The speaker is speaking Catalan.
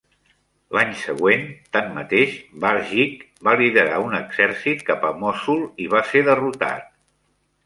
L'any següent, tanmateix, Barjik va liderar un exèrcit cap a Mosul i va ser derrotat.